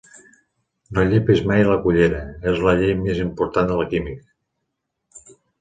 'No llepes mai la cullera' és la llei més important de la química.